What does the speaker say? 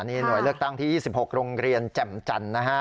นี่หน่วยเลือกตั้งที่๒๖โรงเรียนแจ่มจันทร์นะฮะ